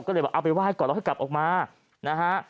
ก็เลยบอกเอาไปไห้ก่อนแล้วให้กลับออกมานะฮะ